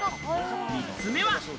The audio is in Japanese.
３つ目は。